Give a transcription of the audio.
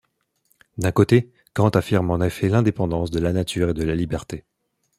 D'un côté, Kant affirme en effet l'indépendance de la nature et de la liberté.